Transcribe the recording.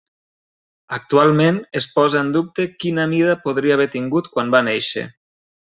Actualment es posa en dubte quina mida podria haver tingut quan va néixer.